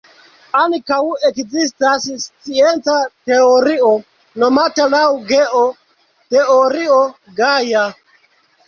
Ankaŭ ekzistas scienca teorio nomata laŭ Geo, Teorio Gaja.